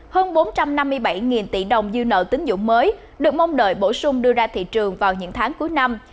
hơn bốn trăm năm mươi bảy tỷ đồng dư nợ tính dụng mới được mong đợi bổ sung đưa ra thị trường vào những tháng cuối năm